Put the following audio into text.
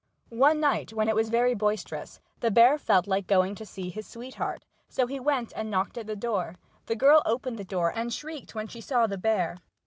One night, when it was very boisterous, the bear felt like going to see his sweetheart. So he went, and knocked at the door. The girl opened the door, and shrieked when she saw the bear.